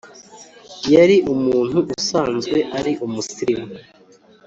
yari umuntu usanzwe ari umusirimu